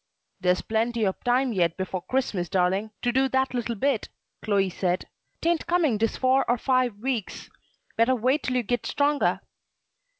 "Dere's plenty ob time yet 'fore Christmas, darlin', to do dat little bit," Chloe said; "'tain't comin' dis four or five weeks; better wait till you git stronger."